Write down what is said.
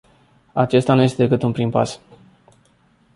Acesta nu este decât un prim pas.